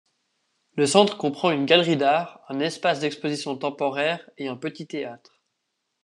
Le centre comprend une galerie d'art, un espace d'exposition temporaire et un petit théâtre.